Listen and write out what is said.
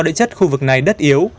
địa chất khu vực này đất yếu